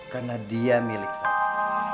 karena dia milik sama